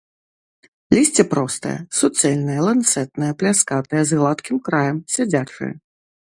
Лісце простае, суцэльнае, ланцэтнае, пляскатае, з гладкім краем, сядзячае.